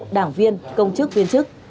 đảng viên công chức viên chức